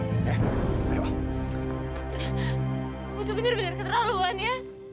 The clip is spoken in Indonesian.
kamu sebenarnya benar benar keterlaluan ya